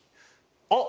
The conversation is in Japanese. あっ！